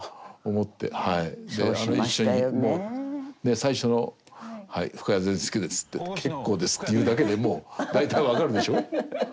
最初の「深谷善輔です」って言って「結構です」って言うだけでもう大体分かるでしょ。